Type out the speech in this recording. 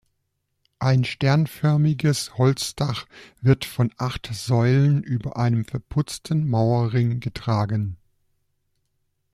Ein sternförmiges Holzdach wird von acht Säulen über einem verputzten Mauerring getragen.